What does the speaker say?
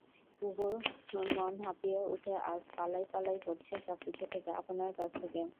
কুমুর মন হাঁপিয়ে উঠে আজ পালাই-পালাই করছে সব-কিছু থেকে, আপনার কাছ থেকে।